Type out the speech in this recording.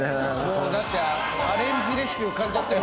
だってアレンジレシピ浮かんじゃってるもん。